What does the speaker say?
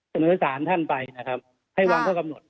สำเนินสารท่านไปนะครับให้วางเข้ากำหนด